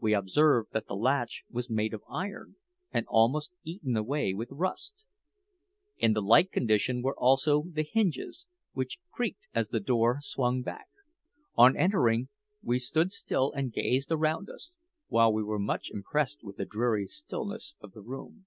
We observed that the latch was made of iron, and almost eaten away with rust. In the like condition were also the hinges, which creaked as the door swung back. On entering, we stood still and gazed around us, while we were much impressed with the dreary stillness of the room.